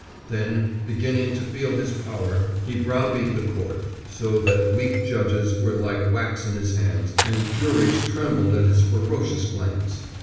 Then, beginning to feel his power, he browbeat the court so that weak judges were like wax in his hands and juries trembled at his ferocious glance.